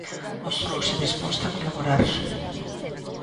Mostrouse disposta a colaborar.